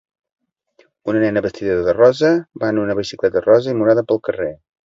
Una nena vestida de rosa va en una bicicleta rosa i morada pel carrer